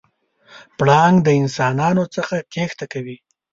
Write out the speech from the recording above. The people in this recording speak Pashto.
پړانګ د انسانانو څخه تېښته کوي.